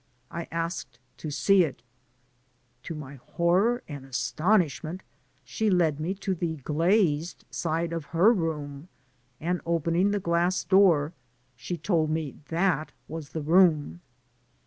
^^ I asked to see it ; to my horror and astpnishm^it, she led me to the glazed side of her room, and opening the gl^ss door, she told me, that was the room.